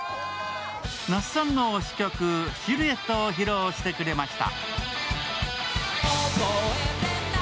那須さんの推し曲「シルエット」を披露してくれました。